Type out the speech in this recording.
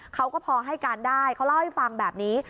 เขาก็พอให้การได้เขาเล่าให้ฟังแบบนี้